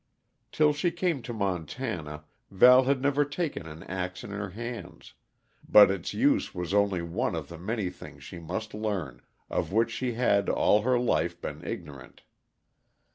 Till she came to Montana, Val had never taken an axe in her hands; but its use was only one of the many things she must learn, of which she had all her life been ignorant.